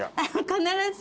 必ず。